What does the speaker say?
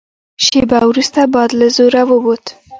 شېبه وروسته باد له زوره ووت.